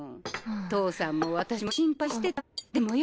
父さんも私も心配してたのよ。